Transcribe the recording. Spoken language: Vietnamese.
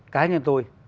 cá nhân tôi